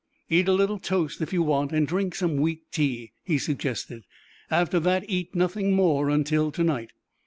"Eat a little toast, if you want, and drink some weak tea," he suggested. "After that, eat nothing more until to night."